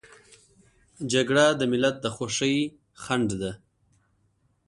جګړه د ملت د خوښۍ خنډ ده